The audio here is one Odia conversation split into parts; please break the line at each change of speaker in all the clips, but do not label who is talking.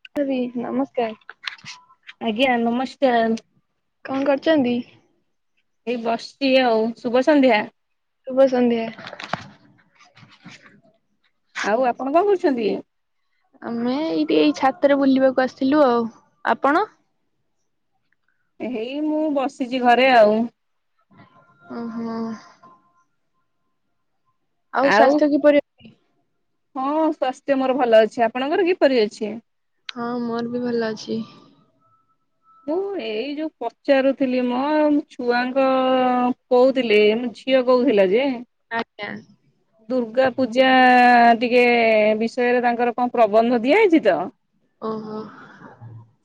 [unintelligible] ବି ନମସ୍କାର।
ଆଜ୍ଞା ନମସ୍କାର।
କଣ କରୁଚନ୍ତି?
ଏଇ ବସଚି ଆଉ ଶୁଭ ସନ୍ଧ୍ୟା।
ଶୁଭ ସନ୍ଧ୍ୟା।
ଆଉ ଆପଣ କଣ କରୁଛନ୍ତି?
ଆମେ ଏଇଠି ଏଇ ଛାତରେ ବୁଲିବାକୁ ଆସିଲୁ ଆଉ ଆପଣ?
ଏ ହେଇ ମୁଁ ବସିଚି ଘରେ ଆଉ।
ଓହୋ। ଆଉ ସ୍ୱାସ୍ଥ୍ୟ କିପରି।
ହଁ ସ୍ୱାସ୍ଥ୍ୟ ମୋର ଭଲ ଅଛି ଆପଣଙ୍କର କିପରି ଅଛି?
ହଁ ମୋର ବି ଭଲ ଅଛି।
ମୁଁ ଏଇ ଯୋଉ ପଚାରୁଥିଲି ମ ମୋ ଛୁଆଙ୍କ କହୁଥିଲି ମ ଝିଅ କହୁଥିଲା ଯେ।
ଆଜ୍ଞା।
ଦୁର୍ଗା ପୂଜା ଟିକେ ବିଷୟରେ ତାଙ୍କର କଣ ପ୍ରବନ୍ଧ ଦିଆ ହେଇଛି ତ।
ଓହୋ।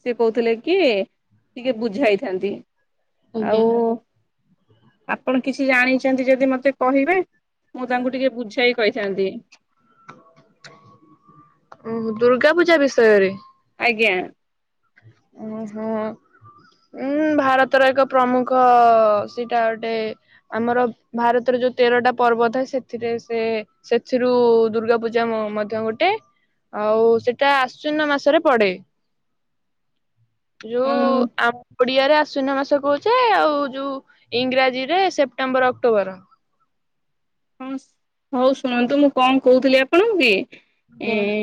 ସେ କହୁଥିଲେ କି ଟିକେ ବୁଝାଇଥାନ୍ତି। ଆଉ
ଆଜ୍ଞା।
ଆପଣ କିଛି ଜାଣିଛନ୍ତି ଯଦି ମତେ କହିବେ। ମୁଁ ତାଙ୍କୁ ଟିକେ ବୁଝାଇ କହିଥାନ୍ତି।
ଓହୋ ଦୁର୍ଗା ପୂଜା ବିଷୟରେ?
ଆଜ୍ଞା।
ଓହୋ। ଉଁ ଭାରତର ଏକ ପ୍ରମୁଖ ସେଟା ଗୋଟେ। ଆମର ଭାରତରେ ଯୋଉ ତେରଟା ପର୍ବ ଥାଏ ସେଥିରେ ସେ। ସେଥିରୁ ଦୁର୍ଗା ପୂଜା ମଧ୍ୟ ଗୋଟେ। ଆଉ ସେଟା ଆଶ୍ୱିନ ମାସରେ ପଡେ। ଯୋଉ
ହଁ
ଆ ଓଡିଆରେ ଆଶ୍ୱିନ ମାସ କହୁଛେ ଆଉ ଯୋଉ ଇଂରାଜୀ ରେ ସେପ୍ଟେମ୍ବର ଅକ୍ଟୋବର।
ହଁ ହଉ ଶୁଣନ୍ତୁ ମୁଁ କଣ କହୁଥିଲି ଆପଣଙ୍କୁ କି
ଆଜ୍ଞା
ଏ।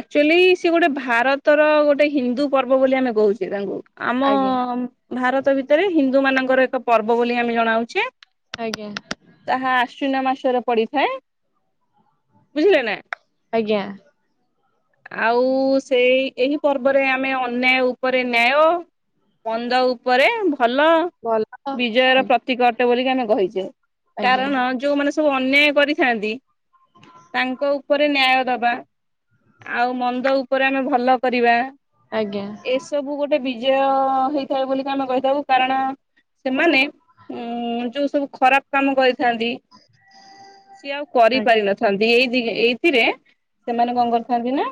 ଆକ୍ଚୁଆଲି ସେ ଗୋଟେ ଭାରତର ଗୋଟେ ହିନ୍ଦୁ ପର୍ବ ବୋଲି ଆମେ କହୁଛେ ତାଙ୍କୁ। ଆମ
ଆଜ୍ଞା
ଭାରତ ଭିତରେ ହିନ୍ଦୁ ମାନଙ୍କର ଏକ ପର୍ବ ବୋଲି ଆମେ ଜଣାଉଛେ।
ଆଜ୍ଞା।
ତାହା ଆଶ୍ୱିନ ମାସରେ ପଡିଥାଏ ବୁଝିଲେ ନା।
ଆଜ୍ଞା।
ଆଉ ସେଇ ଏହି ପର୍ବରେ ଆମେ ଅନ୍ୟାୟ ଉପରେ ନ୍ୟାୟ। ମନ୍ଦ ଉପରେ ଭଲ।
ଭଲ
ବିଜୟର
ଆଜ୍ଞା
ପ୍ରତୀକ ଅଟେ ବୋଲିକି ଆମେ କହିଛେ
ଆଜ୍ଞା
କାରଣ ଯୋଉମାନେ ସବୁ ଅନ୍ୟାୟ କରିଥାନ୍ତି ତାଙ୍କ ଉପରେ ନ୍ୟାୟ ଦବା। ଆଉ ମନ୍ଦ ଉପରେ ଆମେ ଭଲ କରିବା।
ଆଜ୍ଞା।
ଏସବୁ ଗୋଟେ ବିଜୟ ହେଇଥାଏ ବୋଲିକି ଆମେ କହିଥାଉ କାରଣ ସେମାନେ ଉଁ ଯୋଉ ସବୁ ଖରାପ କାମ କରିଥାନ୍ତି ସିଏ ଆଉ
ଆଜ୍ଞା।
କରିପାରିିନଥାନ୍ତି ଏଇ ଦି ଏଇଥିରେ ସେମାନେ କଣ କରିଥାନ୍ତି ନା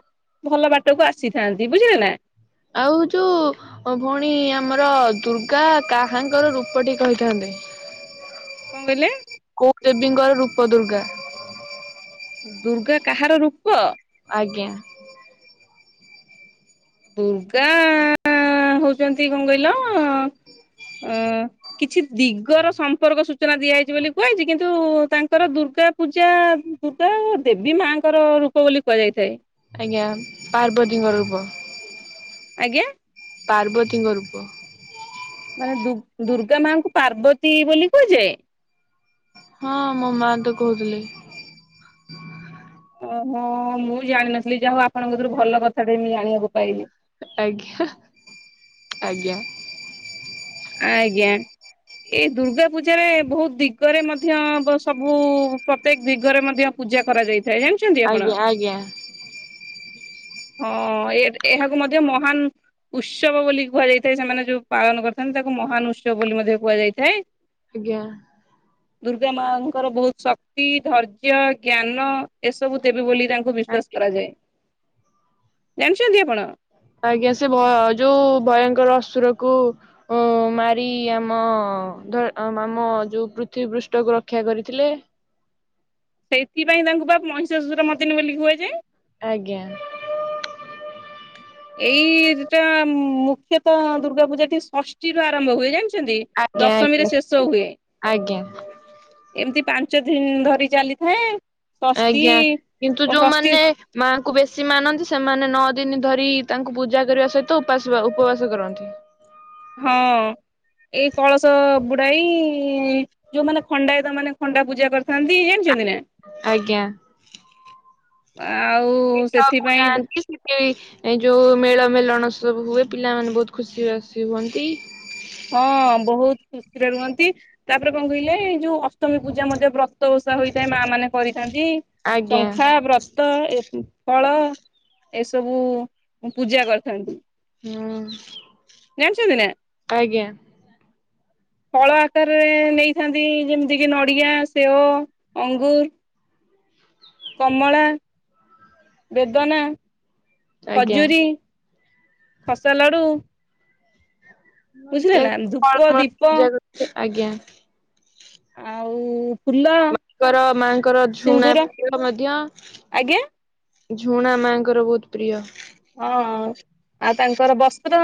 ଭଲ ବାଟକୁ ଆସିଥାନ୍ତି, ବୁଝିଲେ ନା?
ଆଉ ଯୋଉ ମୋ ଭଉଣୀ ଆମର ଦୁର୍ଗା କାହାଙ୍କର ରୂପଟି କହିଥାନ୍ତେ?
କଣ କହିଲେ?
କୋଉ ଦେବୀଙ୍କର ରୂପ ଦୁର୍ଗା?
ଦୁର୍ଗା କାହାର ରୂପ?
ଆଜ୍ଞା।
ଦୁର୍ଗା ହଉଛନ୍ତି କଣ କହିଲ ଅ କିଛି ଦିଗର ସମ୍ପର୍କ ସୂଚନା ଦିଆହେଇଛି ବୋଲି କୁହାହେଇଛି କିନ୍ତୁ ତାଙ୍କର ଦୁର୍ଗା ପୂଜା ଦୁର୍ଗା ଦେବୀ ମାଙ୍କର ରୂପ ବୋଲି କୁହାଯାଇଥାଏ।
ଆଜ୍ଞା ପାର୍ବତୀଙ୍କ ରୂପ।
ଆଜ୍ଞା?
ପାର୍ବତୀଙ୍କ ରୂପ।
ମାନେ ଦୁ ଦୁର୍ଗା ମାଙ୍କୁ ପାର୍ବତୀ ବୋଲି କୁହାଯାଏ?
ହଁ ମୋ ମା ତ କହୁଥିଲେ।
ଓହୋ ମୁଁ ଜାଣିନଥିଲି ଯାହା ହଉ ଆପଣଙ୍କ ଧୁରୁ ଭଲ କଥାଟେ ମୁଁ ଜାଣିବାକୁ ପାଇଲି।
ଆଜ୍ଞା ଆଜ୍ଞା।
ଆଜ୍ଞା। ଏଇ ଦୁର୍ଗା ପୂଜାରେ ବହୁତ ଦିଗରେ ମଧ୍ୟ ବ ସବୁ ପ୍ର ପ୍ରତ୍ୟେକ ଦିଗରେ ମଧ୍ୟ ପୂଜା କରାଯାଇଥାଏ ଜାଣିଛନ୍ତି ଆପଣ?
ଆଜ୍ଞା [inaudible]
ହଁ ଏ ଏହାକୁ ମଧ୍ୟ ମହାନ ଉତ୍ସବ ବୋଲି କୁହାଯାଇଥାଏ ସେମାନେ ଯୋଉ ପାଳନ କରିଥାନ୍ତି ତାକୁ ମହାନ ଉତ୍ସବ ବୋଲି ମଧ୍ୟ କୁହାଯାଇଥାଏ।
ଆଜ୍ଞା।
ଦୁର୍ଗା ମାଙ୍କର ବହୁତ ଶକ୍ତି, ଧୈର୍ଯ୍ୟ, ଜ୍ଞାନ ଏସବୁ ଦେବୀ ବୋଲି ତା କୁ ବିଶ୍ଵାସ କରାଯାଏ, ଜାଣିଛନ୍ତି ଆପଣ?
ଆଜ୍ଞା ସେ ଭ ଯୋଉ ଭୟଙ୍କର ଅସୁରକୁ ଓ ମାରି ଆମ ଧ ଆମ ଯୋଉ ପୃଥିବୀପୃଷ୍ଠକୁ ରକ୍ଷା କରିଥିଲେ।
ସେଇଥିପାଇଁ ତାଙ୍କୁ ବା ମହିଷାସୁରମର୍ଦିନୀ ବୋଲି କୁହାଯାଏ।
ଆଜ୍ଞା।
ଏଇଟା ମୁଖ୍ୟତଃ ଦୁର୍ଗା ପୂଜାଟି ଷଷ୍ଠୀରୁ ଆରମ୍ଭ ହୁଏ ଜାଣିଛନ୍ତି?
ଆଜ୍ଞା ଆଜ୍ଞା
ଦଶମୀରେ ଶେଷ ହୁଏ।
ଆଜ୍ଞା
ଏମିତି ପାଞ୍ଚ ଦିନ ଧରି ଚାଲିଥାଏ। ଷଷ୍ଠୀ
ଆଜ୍ଞା କିନ୍ତୁ
ଷଷ୍ଠୀ
ଯୋଉମାନେ ମାଙ୍କୁ ବେଶୀ ମାନନ୍ତି ସେମାନେ ନଅ ଦିନ ଧରି ତାଙ୍କୁ ପୂଜା କରିବା ସହିତ ଉପାସ ବା ଉପବାସ କରନ୍ତି।
ହଁ ଏଇ କଳସ ବୁ ବୁଡ଼ାଇ ଯୋଉମାନେ ଖଣ୍ଡାୟତ ମାନେ ଖଣ୍ଡା ପୂଜା କରିଥାନ୍ତି ଜାଣିଛନ୍ତି ନା?
ଆଜ୍ଞା।
ଆଉ।
ପୀଠ କୁ
ସେଥିପାଇଁ
ଜାଆନ୍ତି। [unintelligible] ଏ ଯଉ ମେଳ ମେଳଣ ସବୁ ହୁଏ ପିଲାମାନେ ବହୁତ ଖୁସି ବାସି ହୁଅନ୍ତି।
ହଁ ବହୁତ୍ ଖୁସିରେ ରୁହନ୍ତି। ତାପରେ କଣ କହିଲେ ଏଇ ଯଉ ଅଷ୍ଟମୀ ପୂଜା ମଧ୍ୟ ବ୍ରତ ଓଷା ହୋଇଥାଏ ମା ମାନେ କରିଥାନ୍ତି
ଆଜ୍ଞା
ଶଙ୍ଖା, ବ୍ରତ୍ ବ୍ରତ ଏ- ଫଳ ଏସବୁ ପୂଜା କରିଥାନ୍ତି।
ହଁ।
ଜାଣିଚନ୍ତି ନା?
ଆଜ୍ଞା।
ଫଳ ଆକାରରେ ନେଇଥାନ୍ତି ଯେମିତି କିି ନଡିଆ, ସେଓ ଅଙ୍ଗୁର୍। କମଳା, ବେଦନା
ଆଜ୍ଞା।
ଖଜୁରୀ, ଖସା ଲଡୁ। ବୁଝିଲେ
ଇତ୍ୟା-
ନା ଧୂପ
ଫଳ ମୂଳ
ଦୀପ
ପୁଜା କରନ୍ତି -ଆଜ୍ଞା।
ଆଉ ଫୁଲ
ମାଙ୍କର- ମାଙ୍କର ଝୁଣା
ସିନ୍ଦୁର
ପ୍ରିୟ ମଧ୍ୟ।
ଆଜ୍ଞା
ଝୁଣା ମାଙ୍କର ବହୁତ୍ ପ୍ରିୟ।
ହଁ ଆଉ ତାଙ୍କର ବସ୍ତ୍ର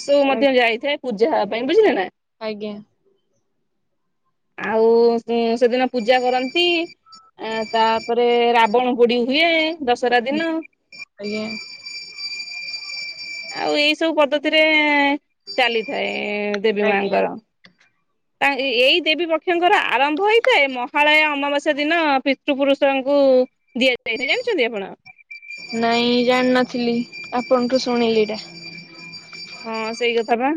ଏସବୁ ମଧ୍ୟ
ଆଜ୍ଞା
ଯାଇଥାଏ। ପୂଜା ହବା ପାଇଁ ବୁଝିଲେ ନା?
ଆଜ୍ଞା।
ଆଉ ଉଁ- ସେଦିନ ପୂଜା କରନ୍ତି। ଆ ତାପରେ ରାବଣ ପୋଡି ହୁଏ ଦଶରା ଦିନ।
ଆଜ୍ଞା।
ଆଉ ଏଇ ସବୁ ପଦ୍ଧତିରେ ଚାଲିଥାଏ ଦେବୀ ମାଙ୍କର।
ହଁ।
ତା ଏ-ଏଇ ଦେବୀ ପକ୍ଷଙ୍କର ଆରମ୍ଭ ହୋଇଥାଏ ମହାଳୟା ଅମାବାସ୍ୟା ଦିନ ପିତୃ ପୁରୁଷଙ୍କୁ ଦିଆଯାଇଥାଏ ଜାଣିଚନ୍ତି ଆପଣ?
ନାଇଁ ଜାଣିିନଥିଲି ଆପଣଙ୍କଠୁ ଶୁଣିଲି ଏଇଟା।
ହଁ ସେଇ କଥା ବା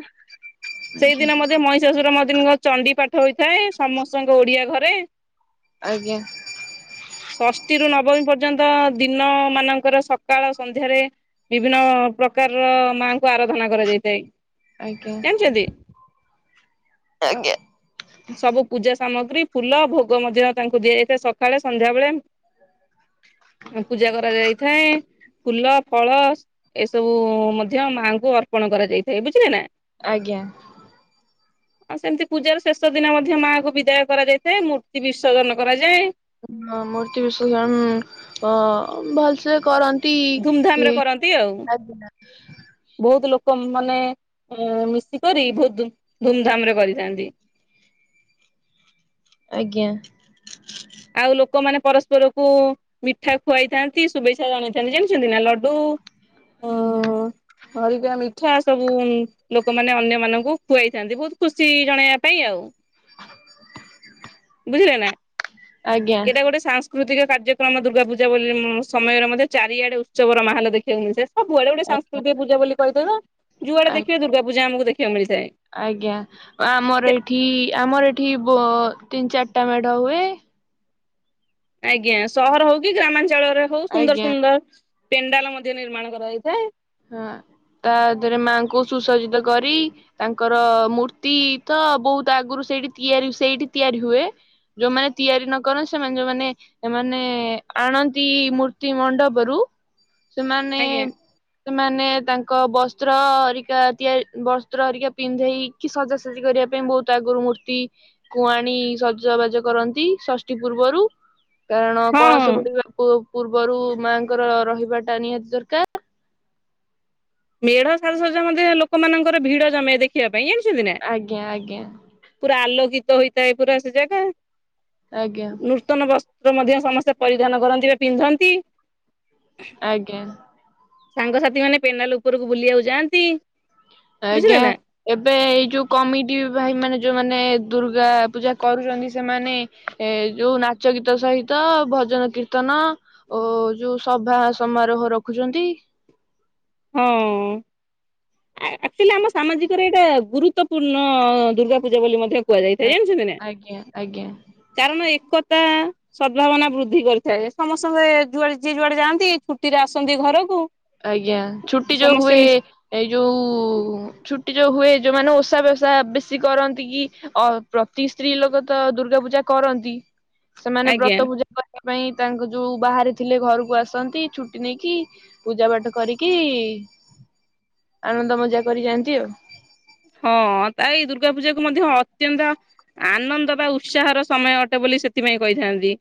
ଆଜ୍ଞା।
ସେଇଦିନ ମଧ୍ୟ ମଇ ସାସୁର ମର୍ଦିନିଙ୍କ ଚଣ୍ଡି ପାଠ ହୋଇଥାଏ ସମସ୍ତଙ୍କ ଓଡିଆ ଘରେ।
ଆଜ୍ଞା।
ଷଷ୍ଠୀରୁ ନବମୀ ପର୍ଯ୍ୟନ୍ତ ଦିନ ମାନଙ୍କର ସକାଳ ସନ୍ଧ୍ୟାରେ ବିଭିନ୍ନ ପ୍ରକାରର ମାଙ୍କୁ ଆରାଧନା କରାଯାଇଥାଏ
ଆଜ୍ଞା
ଜାଣିଚନ୍ତି?
ଆଜ୍ଞା।
ସବୁ ପୂଜା ସାମଗ୍ରୀ ଫୁଲ ଭୋଗ ମଧ୍ୟ ତାଙ୍କୁ ଦିଆଯାଇଥାଏ ସକାଳେ ସନ୍ଧ୍ୟାବେଳେ। ପୂଜା କରାଯାଇଥାଏ ଫୁଲ, ଫଳ ଏସବୁ ମଧ୍ୟ ମାଙ୍କୁ ଅର୍ପଣ କରାଯାଇଥାଏ ବୁଝିଲେ ନା।
ଆଜ୍ଞା।
ଆଉ ସେମିତି ପୂଜାର ଶେଷ ଦିନ ମଧ୍ୟ ମାଆଙ୍କୁ ବିଦାୟ କରାଯାଇଥାଏ ମୂର୍ତ୍ତି ବିସର୍ଜନ କରାଯାଏ।
ହଁ ମୂର୍ତ୍ତି ବିସର୍ଜନ ଅ- ଭଲସେ କରନ୍ତ୍
ଧୁମଧାମ ରେ
[unintelligible]
ବହୁତ୍ ଲୋକ ମାନେ ମିଶିକରି ବହୁତ ଧୁମଧାମ୍ ରେ କରିଥାନ୍ତି।
ଆଜ୍ଞା।
ଆଉ ଲୋକମାନେ ପରସ୍ପରକୁ। ମିଠା ଖୁଆଇଥାନ୍ତି ଶୁଭେଚ୍ଛା ଜଣେଇଥାନ୍ତି ଜାଣିଛନ୍ତି ନା ଲଡୁ ଅ
ହୁଁ ହୁଁ।
ହରିକା ମିଠା ସବୁ ଲୋକମାନେ ଅନ୍ୟ ମାନଙ୍କୁ ଖୁଆଇଥାନ୍ତି ବହୁତ ଖୁସି ଜଣେଇବା ପାଇଁ ଆଉ। ବୁଝିଲେ ନା
ଆଜ୍ଞା
ଏଇଟା ଗୋଟେ ସାସ୍ ସାକୃତିକ କାର୍ଯ୍ୟକ୍ରମ ଦୁର୍ଗାପୂଜା ବୋଲି ସମୟରେ ମଧ୍ୟ ଚାରିଆଡେ ଉତ୍ସବର ମାହଲ ଦେଖିବାକୁ ମିଳିଥାଏ। ହଁ ସବୁଆଡେ ଗୋଟେ ସାଂସ୍କୃକ ପୂଜା କହିଦଉନ ଯୁଆଡା
ଆଜ୍ଞା।
ଦେଖେ ଦୁର୍ଗା ପୂଜା ଆମକୁ ଦେଖିବାକୁ ମିଳିଥାଏ।
ଆଜ୍ଞା ଆମର ଏଠି ଆମର ଏଠି ବ ତିନି ଚାରିଟା ମେଢ ହୁଏ।
ଆଜ୍ଞା ସହର ହଉ କି ଗ୍ରାମାଞ୍ଚଳରେ ହଉ ସୁନ୍ଦର
ଆଜ୍ଞା
ସୁନ୍ଦର ପେଣ୍ଡାଲ ମଧ୍ୟ ନିର୍ମାଣ କରାଯାଇଥାଏ।
ହଁ ତା ଦେରେ ମାଙ୍କୁ ସୁସଜ୍ଜିତ କରି ତାଙ୍କର ମୂର୍ତ୍ତି ତ ବହୁତ ଆଗରୁ ସେଇଠି ତିଆରି ସେଇଠି ତିଆରି ହୁଏ। ଯୋଉମାନେ ତିଆରି ନ କର ସେମାନେ ଯୋଉମାନେ ଏମାନେ ଆଣନ୍ତି ମୂର୍ତ୍ତି ମଣ୍ଡପରୁୁ ସେମାନେ
ଆଜ୍ଞା
ସେମାନେ ତାଙ୍କ ବସ୍ତ୍ର ଅରିକା ତିଆରି ବସ୍ତ୍ର ଅରିକା ପିନ୍ଧେଇ କି ସଜାସଜି କରିବା ପାଇଁ ବହୁତ ଆଗରୁ ମୂର୍ତ୍ତି କୁଆଣି ସଜବାଜ କରନ୍ତି ଷଷ୍ଠୀ ପୂର୍ବରୁ। କାରଣ କଳସ
ହଁ।
ବୁଡିବା ପୂର୍ବରୁ ମାଙ୍କର ରହିବା ଟା ନିହାତି ଦରକାର।
ମେଢ ସାଜସଜ୍ଜା ମଧ୍ୟ ଲୋକମାନଙ୍କର ଭିଡ ଜମେ ଦେଖିବା ପାଇଁ ଯାଣିଛନ୍ତି ନା?
ଆଜ୍ଞା ଆଜ୍ଞା
ପୁରା ଆଲୋକିତ ହେଇଥାଏ ପୁରା ସେ ଜାଗା।
ଆଜ୍ଞା।
ନୂତନ ବସ୍ତ୍ର ମଧ୍ୟ ସମସ୍ତେ ପରିଧାନ କରନ୍ତି ବା ପିନ୍ଧନ୍ତି।
ଆଜ୍ଞା।
ସାଙ୍ଗସାଥି ମାନେ ପେନାଲ ଉପରକୁ ବୁଲିବାକୁ ଯାଆନ୍ତି। ବୁଝିଲେ
ଆଜ୍ଞା।
ନା
ଏବେ ଏଇ ଯୋଉ କମିଟି ଭାଇ ମାନେ ଯୋଉମାନେ ଦୁର୍ଗା ପୂଜା କରୁଛନ୍ତି ସେମାନେ ଏ ଯୋଉ ନାଚ ଗୀତ ସହିତ ଭଜନ କୀର୍ତ୍ତନ ଓ ଯୋଉ ସଭା ସମାରୋହ ରଖୁଛନ୍ତି।
ହଁ। ଆଚୁଆଲି ଆମ ସାମାଜିକରେ ଏଇଟା ଗୁରୁତ୍ୱପୂର୍ଣ୍ଣ ଦୁର୍ଗା ପୂଜା ବୋଲି ମଧ୍ୟ କୁହାଯାଇଥାଏ
ଆଜ୍ଞା
ଜାଣିଛନ୍ତି ନା।
ଆଜ୍ଞା ଆଜ୍ଞା
କାରଣ ଏକତା ସଦ୍ଭାବନା ବୃଦ୍ଧି କରିଥାଏ ସମସ୍ତଙ୍କେ ଯୁଆଡେ ଯିଏ ଯୁଆଡେ ଯାଆନ୍ତି ଛୁଟିରେ ଆସନ୍ତି ଘରକୁ।
ଆଜ୍ଞା ଛୁଟି ଯୋଉ
ସମସ୍ତେ
ହୁଏ
ମିଶି
ଏଇ ଯୋଉ ଛୁଟି ଯୋଉ ହୁଏ ଯୋଉ ମାନେ ଓଷା ବ୍ୟସା ବେଶୀ କରନ୍ତି କି? ଅ ପ୍ରତି ସ୍ତ୍ରୀ ଲୋକ ତ ଦୁର୍ଗା ପୂଜା କରନ୍ତି ସେମାନେ
ଆଜ୍ଞା
ବ୍ରତ ପୂଜା ତା ପାଇଁ ତାଙ୍କ ଯୋଉ ବାହାରେ ଥିଲେ ଘରକୁ ଆସନ୍ତି ଛୁଟି ନେଇକି। ପୂଜା ପାଠ କରିକି ଆନନ୍ଦ ମଜା କରି ଯାଆନ୍ତି ଆଉ।
ହଁ ତ ଏଇ ଦୁର୍ଗା ପୂଜା କୁ ମଧ୍ୟ ଅତ୍ୟନ୍ତ ଆନନ୍ଦ ବା ଉତ୍ସାହର ସମୟ ଅଟେ ବୋଲି ସେଥିପାଇଁ କହିଥାନ୍ତି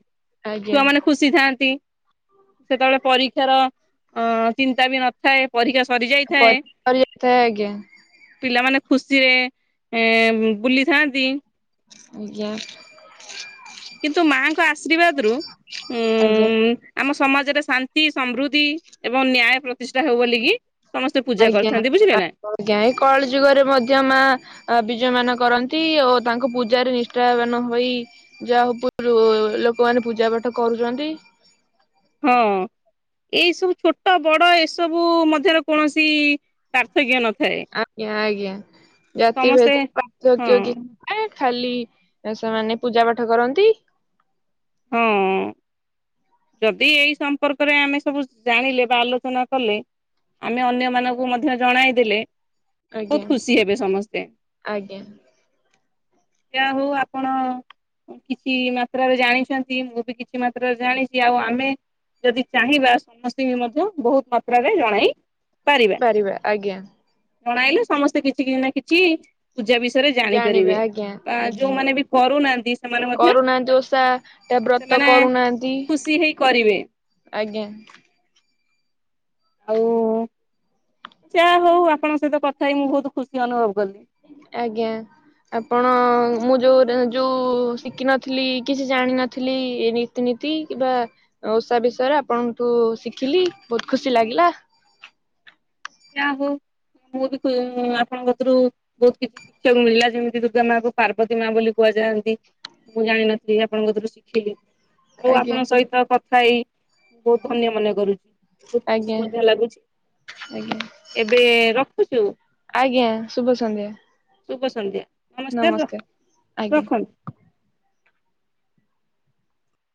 ଆଜ୍ଞା।
ଛୁଆମାନେ। ଖୁସି ଥାଆନ୍ତି ସେତେବେଳେ ପରୀକ୍ଷାର ଚିନ୍ତା ବି ନଥାଏ ପରୀକ୍ଷା ସରି ଯାଇଥାଏ
ପରି ଯାଇଥାଏ ଆଜ୍ଞା
ପିଲାମାନେ ଖୁସିରେ ଏ ବୁଲିଥାନ୍ତି।
ଆଜ୍ଞା।
କିନ୍ତୁ ମାଙ୍କ ଆଶୀର୍ବାଦ ରୁ ଉ
ଆଜ୍ଞା।
ଆମ ସମାଜରେ ଶାନ୍ତି ସମୃଦ୍ଧି ଏବଂ ନ୍ୟାୟ ପ୍ରତିଷ୍ଠା ହଉ ବୋଲିକି। ସମସ୍ତେ ପୂଜା କରିଥାନ୍ତି ବୁଝିଲେ ନାଁ?
କେଉ କଳି ଯୁଗରେ ମଧ୍ୟ ମା। ଅ ବିଜୟ ମାନ କରନ୍ତି ଓ ତାଙ୍କୁ ପୂଜାରେ ରିଷ୍ଠାୟମାନ ହୋଇ। ଯାହାକୁ ଲୋକମାନେ ପୂଜା ପାଠ କରୁଛନ୍ତି।
ହଁ ଏଇ ସବୁ ଛୋଟ ବଡ ଏସବୁ ମଧ୍ୟରେ କୌଣସି ପାର୍ଥକ୍ୟ ନଥାଏ।
ଆଜ୍ଞା ଆଜ୍ଞା ଜାତି
ସମସ୍ତେ
ଭେଦ
ହଁ
ପାର୍ଥକ୍ୟ କି ଏ ଖାଲି ସେମାନେ ପୂଜା ପାଠ କରନ୍ତି।
ହଁ। ଯଦି ଏଇ ସମ୍ପର୍କରେ ଆମେ ସବୁ ଜାଣିଲେ ବା ଆଲୋଚନା କଲେ। ଆମେ ଅନ୍ୟ ମାନଙ୍କୁ ମଧ୍ୟ ଜଣାଇ ଦେଲେ,
ଆଜ୍ଞା
ବହୁତ ଖୁସି ହେବେ ସମସ୍ତେ।
ଆଜ୍ଞା
ଯାହା ହଉ ଆପଣ କିତି ମାତ୍ରାରେ ଜାଣି ଛନ୍ତି ମୁଁ ବି କିତି ମାତ୍ରାରେ ଜାଣିଛି, ଆଉ ଆମେ। ଯଦି ଚାହିଁବା ସମସ୍ତେ କି ବି ମଧ୍ୟ ବହୁତ ମାତ୍ରାରେ ଜଣାଇ
ପାରିବା ଆଜ୍ଞା।
ଜଣାଇଲେ ସମସ୍ତେ କିଛି କିଛି ନା କିଛି ପୂଜା ବିଷୟରେ
ଜାଣିବା
ଜାଣିପାରିବେ,
ଆଜ୍ଞା
ଆଁ
ଆଜ୍ଞା
ଯୋଉମାନେ ବି କରୁନାହାନ୍ତି ସେମାନେ ମଧ୍ୟ
[inaudible] ଓଷା, ତାପରେ।
ମାନେ ଖୁସି ହେଇ କରିବେ।
ଆଜ୍ଞା।
ଓଃ। ଯାହା ହଉ ଆପଣଙ୍କ ସହିତ କଥା ହେଇ ମୁଁ ବହୁତ ଖୁସି ଅନୁଭବ କଲି।
ଆଜ୍ଞା। ଆପଣ ମୁଁ ଯଉଁ ଯୋଉଁ ଶିଖିନଥିଲି କିଛି ଜାଣିନଥିଲି ଏ ବି ନୀତି କିମ୍ବା ଓଷା ବିଷୟରେ ଆପଣଠୁ ଶିଖିଲି ବହୁତ ଖୁସି ଲାଗିଲା।
ଯାହା ହଉ, ମୁଁ ବି ଆପଣଙ୍କ ଥୁରୁ ବହୁତ କିଛି। ଶିକ୍ଷକଙ୍କୁ ମିଳିଲା ଯେମିତି ଦୁର୍ଗା ମା କୁ ପାର୍ବତୀ ମାଆ ବୋଲି କୁହାଯାନ୍ତି। ମୁଁ ଜାଣିନଥିଲି ଆପଣଙ୍କ ଥିରୁ ଶିଖିଲି। ହଉ
ଆଜ୍ଞା
ଆପଣ ଶୋଇଥାନ୍ତି କଥା ହେଇ, ମୁଁ ବହୁତ ଧନ୍ୟ ମନେ କରୁଛି। ବହୁତ
ଆଜ୍ଞା
ଖୁସି ମଧ୍ୟ ଲାଗୁଛି।
ଆଜ୍ଞା।
ଏବେ ରଖୁଛୁ,
ଆଜ୍ଞା ଶୁଭ ସନ୍ଧ୍ୟା
ଶୁଭ ସନ୍ଧ୍ୟା। ନମସ୍କାର ର
ଆଜ୍ଞା।
ରଖନ୍ତୁ।